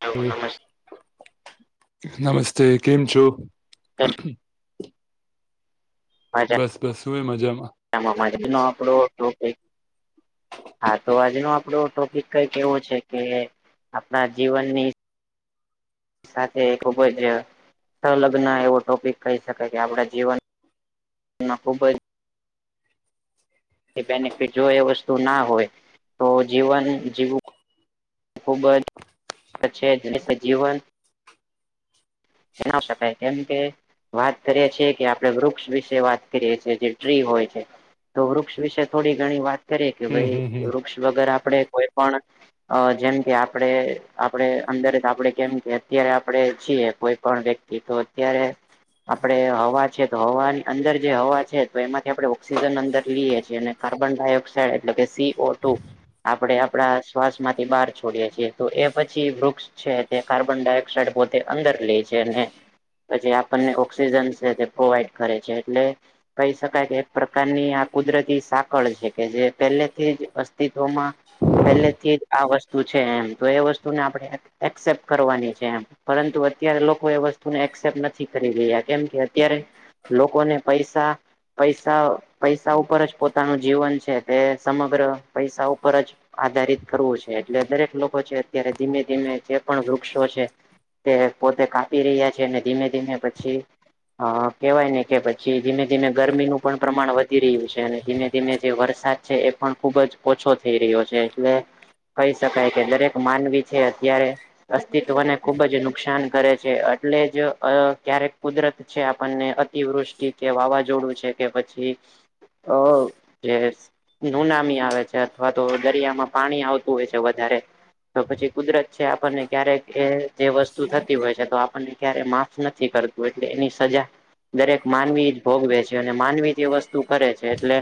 હ નમસ નમસ્તે કેમ છો? નમસ્કાર બસ બસ શું એ મજામાં એજ ના આપડો [unintelligible] હા તો આજનો આપડો ટોપિક કઈક એવો છે કે આપણા જીવનની સાથે ખુબ જ સંલગ્ન એવો ટોપિક કહી શકાય કે આપડા જીવન મા ખૂબ જ એ બેનિફિટ જો એ વસ્તુ ના હોય તો જીવન જીવું ખુબ જ છે જીવન એ ના શકાય કેમ કે વાત કરીએ છીએ કે આપડે વૃક્ષ વિશે વાત કરીએ છીએ જે ટ્રી હોય છે તો વૃક્ષ વિશે થોડી ઘણી વાત કરીએ કે હમ ભાઈ હમ હમ વૃક્ષ વગર આપડે કોઈ પણ અ જેમ કે આપડે આપડે અંદર આપડે કેમ કે અત્યારે આપડે જીએ કોઈ કોન્ટેક્ટ થી તો અત્યારે આપડે હવા છે તો હવાની અંદર જે હવા છે તો એમાંથી આપડે ઓક્સિજન અંદર લઈએ છીએ અને કાર્બન ડાયોક્સાઇડ એટલે કે સી ઓ ટુ આપણેે આપડા શ્વાસ માંથી બહાર છોડીએ છીએ તો એ પછી વૃક્ષ છે તે કાર્બન ડાયોક્સાઇડ પોતે અંદર લે છે. પછી આપણને ઓક્સિજન છે તે પ્રોવાઈડ કરે છે એટલે કહી શકાય કે એક પ્રકારની આ કુદરતી સાકળ છે કે જે પહેલેથી જ અસ્તિત્વમાં પહેલે થી જ આ વસ્તુ છે એમ તો એ વસ્તુને આપણે એસેપ્ટ કરવાની છે એમ પરંતુ અત્યારે લોકો એ વસ્તુને એક્સેપ્ટ નથી કરી રહ્યા કેમ કે અત્યારે લોકો ને પૈસા પૈસા પૈસા ઉપર જ પોતાનું જીવન છે તે સમગ્ર પૈસા ઉપર જ આધારિત કરવું છે એટલે દરેક લોકો છે અત્યારે ધીમે ધીમે જે પણ વૃક્ષો છે. તે પોતે કાપી રહ્યા છે અને ધીમે ધીમે પછી અ કહેવાય ને કે પછી ધીમે ધીમે ગરમીનું પણ પ્રમાણ વધી રહ્યું છે અને ધીમે ધીમે જે વરસાદ છે એ પણ ખુબ જ ઓછો થઈ રહ્યો છે એટલે કહી શકાય કે દરેક માનવી છે અત્યારે અસ્તિત્વને ખુબ જ નુકસાન કરે છે એટલે જ ક્યારેક કુદરત છે આપણને અતિવૃષ્ટિ કે વાવાઝોડું છે. કે પછી અ જે નુનામી આવે છે અથવા તો દરિયામાં પાણી આવતું હોય છે વધારે તો પછી કુદરત છે આપણને ક્યારેક એ જે વસ્તુ થતી હોય છે. તો આપણને ક્યારે માફ નથી કરતું એટલે એની સજા દરેક માનવી જ ભોગવે છે અને માનવી જે એ વસ્તુ કરે છે એટલે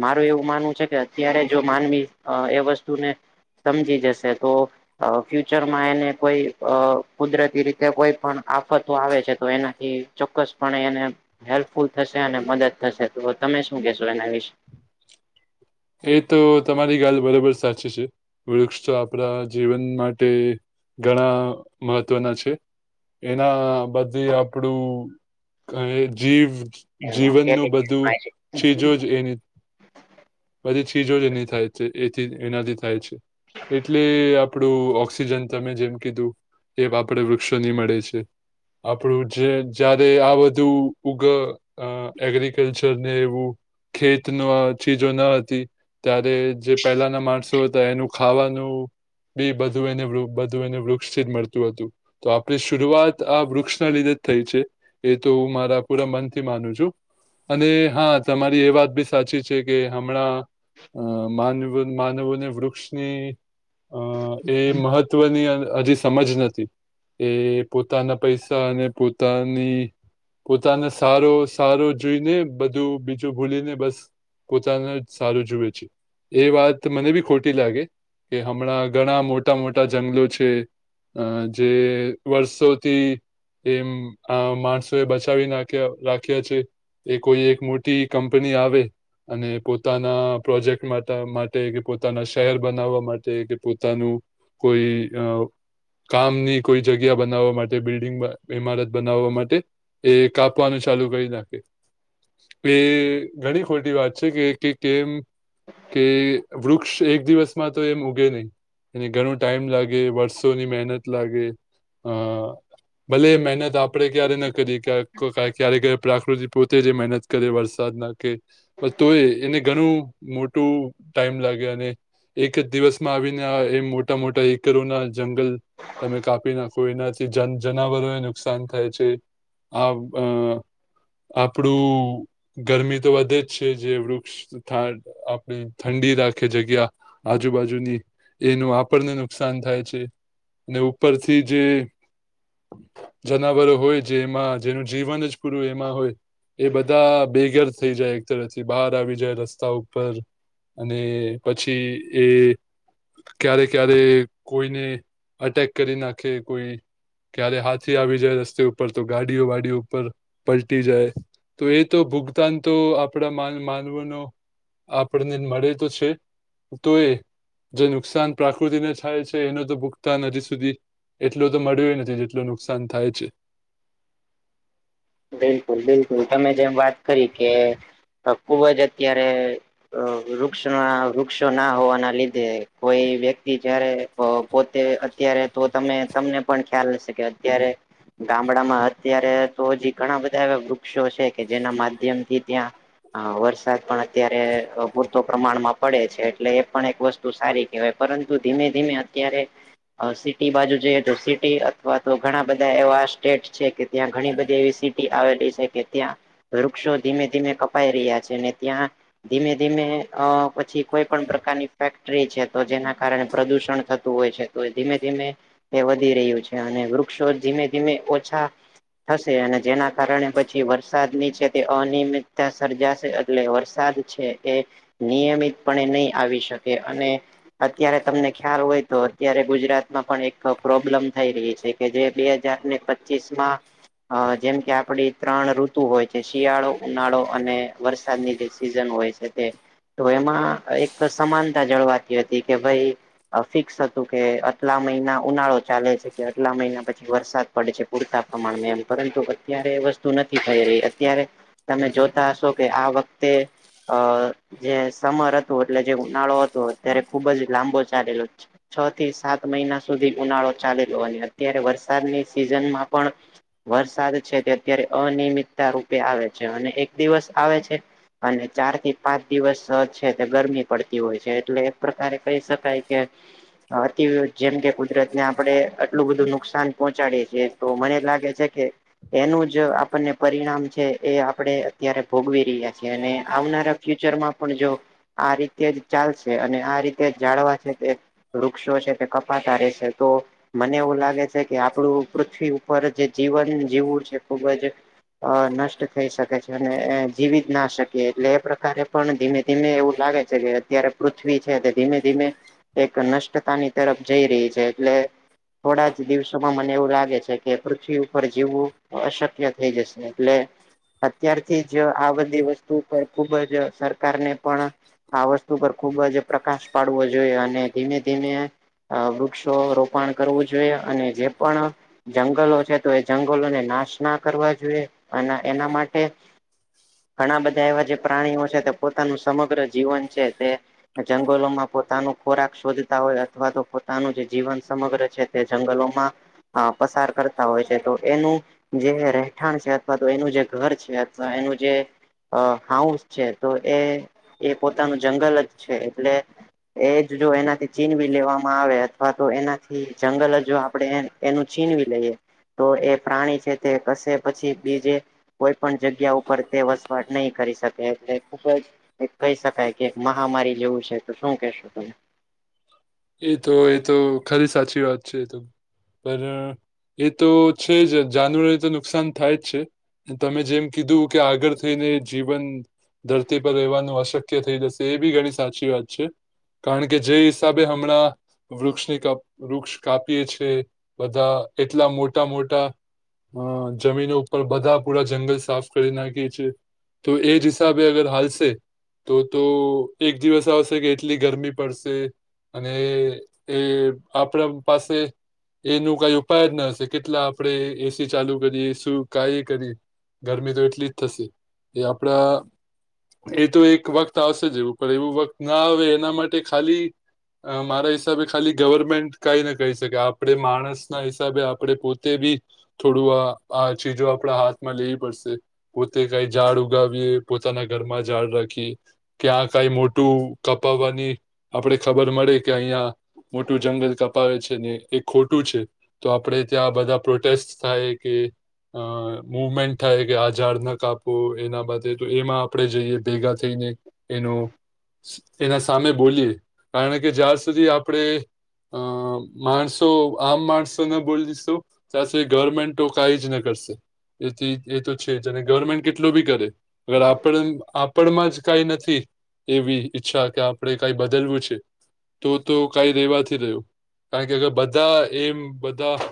મારું એવું માનવું છે કે અત્યારે જો માનવી એ વસ્તુને સમજી જશે તો અ ફ્યુચરમાં એને કોઈ અ કુદરતી રીતે કોઈ પણ આફતો આવે છે તો એનાથી ચોક્કસ પણે એને હેલ્પફુલ થશે અને મદદ થશે તો તમે શું કેશો એના વિશે. એ તો તમારી ગાલ બરોબર સાચી છે વૃક્ષ તો આપણા જીવન માટે ઘણા મહત્વના છે એના બધે આપણું કહે જીવ જીવનનું બધું ચીજો જ એની બધી ચીજો જ એની થાય છે એ ચીજ એનાથી થાય છે. એટલે આપડું ઓક્સિજન તમે જેમ કીધું. એ આપડે વૃક્ષોની મળે છે. આપણું જે જયારે આ બધું ઉગ અ એગ્રિકલ્ચર ને એવું ખેત ના ચીજો ના ત્યારે જે પહેલાના માણસો હતા એનું ખાવાનું એ બધું એને બધું એને વૃક્ષથી જ મળતું હતું. તો આપણે શરૂઆત આ વૃક્ષના લીધે જ થઈ છે. એ તો હું મારા પૂરા મનથી માનું છું. અને હા તમારી એ વાત બી સાચી છે કે હમણાં અ માનવ માનવોને વૃક્ષની અ એ મહત્વની હજી સમજ ન એ પોતાના પૈસા અને પોતાની પોતાને સારો સારો જોઈને બધું બીજું ભૂલીને બસ પોતાને સારું જુએ છે. એ વાત મને બી ખોટી લાગે કે હમણાં ઘણા મોટા મોટા જંગલો છે. અ જે વર્ષોથી એમ આ માણસો એ બચાવી નાખ્યા રાખ્યા છે. એ કોઈ એક મોટી કંપની આવે અને પો પોતાના પ્રોજેક્ટ માટે માટે કે પોતાના શહેર બનાવવા માટે કે પોતાનું કોઈ અ કામની કોઈ જગ્યા બનાવવા માટે બિલ્ડિંગ ઇમારત બનાવવા માટે એ કાપવાનું ચાલુ કરી નાખે એ ઘણી ખોટી વાત છે કે તેમ કે વૃક્ષ એક દિવસમાં તો એમ ઉગે નહી અને ઘણું ટાઈમ લાગે વર્ષ ર્ષોની મહેનત લાગે. અ [unintelligible] ભલે મહેનત આપડે ક્યારે ન કરી કે ક્યારે પ્રાકૃતિ પોતે જ મહેનત કરે વરસાદ નાખે બસ તોય એને ઘણું મોટું ટાઈમ લાગે અને એક જ દિવસમાં આવીને આ એ મોટા મોટા એકરોના જંગલ તમે કાપી નાખો એનાથી જન જનાવરોને નુકસાન થાય છે. આ અ આપડું ગરમી તો વધે જ છે જે વૃક્ષ ઠા આપણે ઠંડી રાખે જગ્યા આજુબાજુની એનું આપણને નુકસાન થાય છે ને ઉપરથી જે જનાવરો હોય જેમાં જેનું જીવન જ પૂરું એમાં હોય. એ બધા બેઘર થઈ જાય એક તરફથી બહાર આવી જાય રસ્ત રસ્તા ઉપર અને પછી એ ક્યારે ક્યારે કોઈને અટેક કરી નાખે કોઈ ક્યારે હાથી આવી જાય રસ્તે ઉપર તો ગાડીઓ વાડીઓ ઉપર પલટી જાય. તો એ તો ભુગતાન તો આપણા માન માનવોનો આપણને મળે તો છે તો એ જે નુકસાન પ્રાકૃતિને થાય છે એનું તો ભુગતાન હજી સુધી એટલું તો મળ્યું નથી જેટલું નુકસાન થાય છે. બિલકુલ બિલકુલ તમે જેમ વાત કરી કે ખુબ જ અત્યારે વૃક્ષ ના વૃક્ષો ના હોવાના લીધે કોઈ વ્યક્તિ જયારે પોતે અત્યારે તો તમે તમને પણ ખ્યાલ હશે કે અત્યારે ગામડામાં અત્યારે તો હજી ઘણા બધા એવા વૃક્ષો છે કે જેના માધ્યમ થી ત્યાં હ, વરસાદ પણ અત્યારે પૂરતો પ્રમાણમાં પડે છે, એટલે એ પણ એક વસ્તુ. સારી કહેવાય, પરંતુ ધીમે-ધીમે અત્યારે. સિટી બાજુ જોઈએ તો, સિટી અથવા તો ઘણા બધા એવા સ્ટેટ છે કે, ત્યાં ઘણી બધી એવી. આવેલી છે કે, ત્યાં વૃક્ષો ધીમે-ધીમે કપાઈ રહ્યા છે ને ત્યાં. ધીમે-ધીમે એ પછી કોઈ પણ પ્રકારની ફેક્ટરી છે, તો જેના કારણે પ્રદુષણ થતું હોય છે. તો ધીમે-ધીમે તે વધી રહ્યું છે, અને વૃક્ષો ધીમે-ધીમે ઓછા થશે, અને જેના કારણે પછી વરસાદની છે, તે અનિયમિતતા સર્જાશે, એટલે વરસાદ છે એ. નિયમિતપણે નહી આવી શકે, અને અત્યારે તમને ખ્યાલ હોય તો, અત્યારે ગુજરાતમાં પણ એક પ્રોબ્લેમ થઈ રહી છે. કે જે બે હજાર ને, પચીસ માં જેમ કે. આપડી ત્રણ ઋતુ હોય છે, શિયાળો, ઉનાળો અને વરસાદની જે સીઝન હોય છે તે. તો એમાં એક સમાનતા જળવાતી હતી કે, ભાઈ. ફિક્સ હતું કે, આટલા મહિના ઉનાળો ચાલે છે કે, આટલા મહિના પછી વરસાદ. પ છે, પૂરતા પ્રમાણ પરંતુ અત્યારે એ વસ્તુ નથી થઈ રહી, અત્યારે તમે જોતા હશો કે, આ વખતે. અ જે સમર હતો, એટલે જે ઉનાળો હતો, અત્યારે ખુબ જ લાંબો ચાલેલો. છ થી સાત મહિના સુધી ઉનાળો ચાલ્ચો અને અત્યારે વરસાદની સિઝનમાં પણ. વરસાદ છે, તે અત્યારે અનિયમિતતા રૂપે આવે છે, અને એક દિવસ આવે છે. અને ચાર થી પાંચ દિવસ છે, તે ગરમી પડતી હોય છે, એટલે એક પ્રકારે કહી શકાય કે અતિ જેમ કે કુદરતને, આપડે આટલું બધું નુકસાન પહોંચાડીએે છીએ, તો મને લાગે છે કે. એનું જ આપણને પરિણામ છે, એ આપડે અત્યારે ભોગવી રહીએ. અને આવનારા ફ્યુચરમાં પણ જો આ રીતે જ ચાલશે, અને આ રીતે જાળવા છે તે. વૃક્ષો છે, તે કપાતા રહેશે તો. મને એવું લાગે છે કે, આપણું પૃથ્વી ઉપર જે જીવન જીવું છે, ખુબ જ. અ નષ્ટ થઈ શકે છે, અને જીવી જ ના શકીએ, એટલે એ પ્રકારે પણ ધીમે. ધીમે એવું લાગે છે કે, અત્યારે પૃથ્વી છે, ધીમે-ધીમે એક ન તાની તરફ જઈ રહી છે એટલે. થોડા જ દિવસોમાં મને એવું લાગે છે કે, પૃથ્વી ઉપર જીવવું. અશક્ય થઈ જશે, એટલે અત્યારથી જ આ બધી વસ્તુ પર ખુબ જ સરકારને પણ. આ વસ્તુ પર ખુબ જ પ્રકાશ પાડવો જોઈએ, અને ધીમે-ધીમે. વૃક્ષો રોપણ કરવું જોઈએ, અને જે પણ જંગલો છે, તો એ જંગલોને. નાશ ના કરવા જોઈએ, અને એના માટે. ઘણા બધા એવા જે પ્રાણીઓ છે, તે પોતાનું સમગ્ર જીવન છે, તે જંગલોમાં પોતાનો ખોરાક શોધતા હોય, અથવા તો પોતાનું જે જીવન સમગ્ર છે, તે જંગલોમાં. અ પસાર કરતા હોય છે, તો એનું જે રહેઠાણ છે, અથવા તો એનું જે ઘર છે, એનું જે હાઉ છે, તો એ એ પોતાનું જંગલ જ છે, એટલે એજ જો એનાથી ચીન બી લેવામાં આવે. અથવા તો એનાથી જંગલ જો આપણે એનું છીનવી લઈએ, તો, એ પ્રાણી છે‌. તે કશે, પછી બીજે કોઈપણ જગ્યા ઉપર તે વસવાટ નહીં કરી શકે, એટલે ખુબ જ‌. એક કહી શકાય કે, મહામારી જેવું છે, તો શું કેશો તમે? એતો એતો ખાલી સાચી વાત છે, એતો પણ. એતો છે, જ જાનવરોને તો નુકસાન થાય જ છે. તમે જેમ કીધું કે, આગળ થઈને જીવન. ધરતી પર રહેવાનું અશક્ય થઈ જશે, એબી ઘણી સાચી વાત છે, કારણ કે જે હિસાબે. હમણાં. વૃક્ષની કાપીએ, વૃક્ષ કાપીએ છે, બધા એટલા મોટા-મોટા. હ, જમીન ઉપર બધા પૂરા જંગલ સાફ કરી નાખી છીએ. તો એજ જ હિસાબે અગર હાલસે. તોતો એક દિવસ આવશે કે, એટલી ગરમી પડશે. અને એ આપણા પાસે. એનું કંઈ ઉપાય જના હશે, કેટલા આપણે એસી ચાલુ કરીએ, શું કંઈ કરીએ. ગરમી તો એટલી જ થશે, એ આપડા‌. એતો એક વખત આવશે જ એવું પણ એવું વખત ના આવે, એના માટે ખાલી. અ મારા હિસાબે ખાલી ગવર્મેન્ટ કંઈ ન કહી શકે, આપણે માણસના હિસાબે આપણે પોતે ભી. થોડું આ આ ચીજો આપણા હાથમાં લેવી પડશે. પોતે કઈ ઝાડ ઉગાવીએ, પોતાના ઘરમાં ઝાડ રાખીએ‌. કેયા આ કઈ મોટું કપાવવાની આપડે ખબર મળે કે, અહીંયા. મોટું જંગલ કપાવે છે, ને એ ખોટું છે. તો આપડે ત્યાં બધા પ્રોટેસ્ટ થાય કે. અ મુવમેન્ટ થાય કે, આ ઝાડ ન કાપો, એના બાબતો એમાં આપણે જઈએ ભેગા થઈને. એનું એના સામે બોલીએ, કારણ કે જ્યાં સુધી આપણે. અ માણસો, આમ માણસોને બોલીશું. તાસી ગવર્મેન્ટ તો કંઈ જના કરશે, એથી એતો છે, જને ગવર્મેન્ટ કેટલો ભી કરે. અગર આપણ આપણમાં જ કંઈ નથી એવી ઈચ્છા કે, આપણે કંઈ બદલવું છે. તો તો કંઈ રેવાથી રહ્યું કારણ કે, અર બધા એમ બધાં.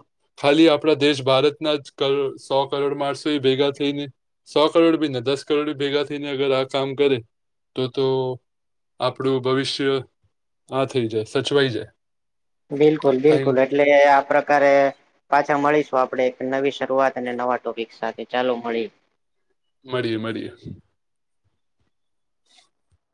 ખાલી આપણા દેશ ભારતના જ કરસો કરોડ મારસો, ભેગા થઈને. સો કરોડ ભીને, દસ કરોડી ભેગા થઈને, અગર આ કામ કરે તો તો. આપણું ભવિષ્ય. હા, થઇ જાય. સચવાઈ જાય. બિલકુલ, ટાઈમ બિલકુલ એટલે આ પ્રકારે. પાછા મળીશું આપડે, એક નવી શરૂઆત અને નવા ટોપિક સાથે ચાલુ મળીએ. મળીએે, મળીએે. [unintelligible]